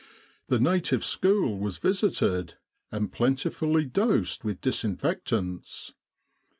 The native school was visited and plentifully dosed with disinfectants.